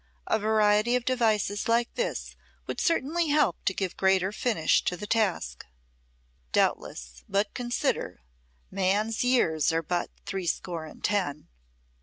A variety of devices like this would certainly help to give greater finish to the task." Doubtless, but consider: man's years are but threescore and ten!